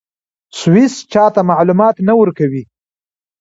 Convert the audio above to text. سویس چا ته معلومات نه ورکوي.